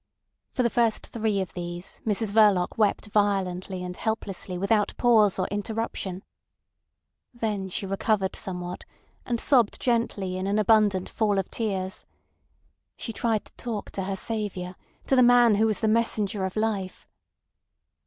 For the first three of these Mrs Verloc wept violently and helplessly without pause or interruption. Then she recovered somewhat, and sobbed gently in an abundant fall of tears. She tried to talk to her saviour, to the man who was the messenger of life.